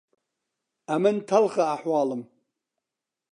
ئەمن تەڵخە ئەحوالم